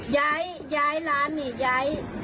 ย้ายย้ายร้านนี่ย้าย